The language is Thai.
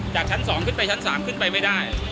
จากชั้น๒ขึ้นไปชั้น๓ขึ้นไปไม่ได้